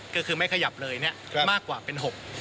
ก็คือไม่ขยับเลยเนี่ยมากกว่าเป็น๖